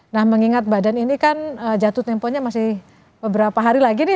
nah mengingat badan ini kan jatuh temponya masih beberapa hari lagi nih